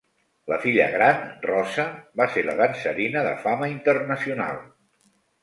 La filla gran, Rosa, va ser la dansarina de fama internacional.